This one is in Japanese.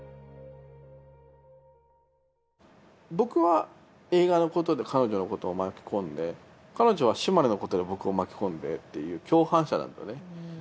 僕は映画のことで彼女のことを巻き込んで彼女は島根のことで僕を巻き込んでっていう共犯者なんだよね。